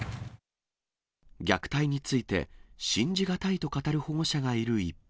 虐待について、信じ難いと語る保護者がいる一方。